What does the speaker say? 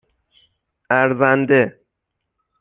اَرزنده